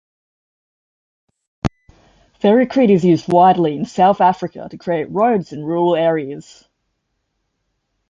Ferricrete is used widely in South Africa to create roads in rural areas.